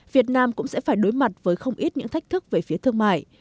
việt nam cũng sẽ phải đối mặt với không ít những thách thức về phía thương mại